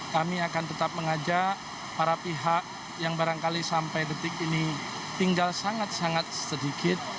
kami akan tetap mengajak para pihak yang barangkali sampai detik ini tinggal sangat sangat sedikit